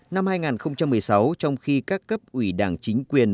năm hai nghìn một mươi sáu trong khi các cấp ủy đảng chính quyền